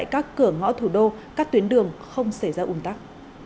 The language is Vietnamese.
các cửa ngõ thủ đô các tuyến đường không xảy ra un tắc